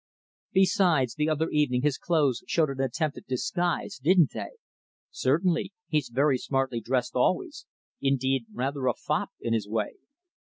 Besides, the other evening his clothes showed an attempt at disguise didn't they?" "Certainly. He's very smartly dressed always; indeed, rather a fop in his way."